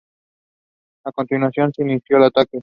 A continuación se inició el ataque.